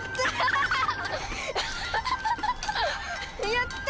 やった！